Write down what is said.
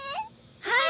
はい！